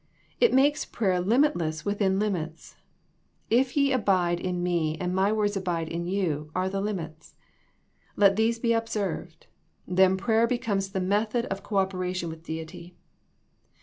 It makes prayer limitless within limits. " If ye abide in Me, and My words abide in you," are the limits. Let these be observed, then prayer becomes the method of cooperation with Deity.